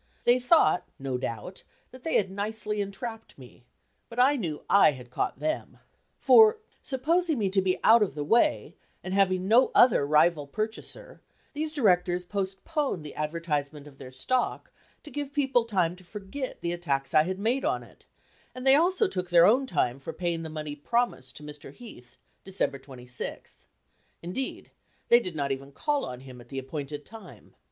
They thought, no doubt, that they had nicely entrapped me, but I knew I had caught them. For, supposing me to be out of the way, and having no other rival purchaser, these directors postponed the advertisement of their stock to give people time to forget the attacks I had made on it, and they also took their own time for paying the money promised to Mr. Heath, December 26th indeed, they did not even call on him at the appointed time.